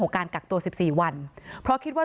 การกักตัว๑๔วันเพราะคิดว่า